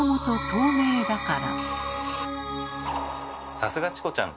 さすがチコちゃん！